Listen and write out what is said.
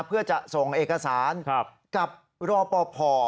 เพื่อจะส่งเอกสารกับรอปภ